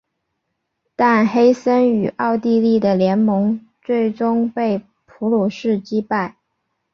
但黑森与奥地利的联盟最终被普鲁士击败。